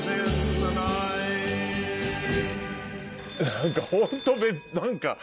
何かホント何か。